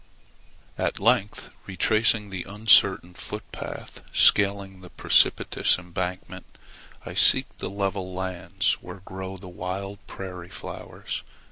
At length retracing the uncertain footpath scaling the precipitous embankment, I seek the level lands where grow the wild prairie flowers.